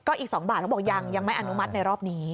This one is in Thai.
ก็อีก๒บาทแล้วก็บอกยังยังไม่อนุมัติในรอบนี้